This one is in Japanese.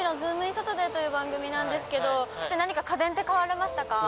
サタデーという番組なんですけど、きょう何か家電って買われましたか。